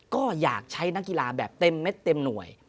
ก็อยากใช้นักกีฬาแบบเต็มเม็ดเต็มหน่วย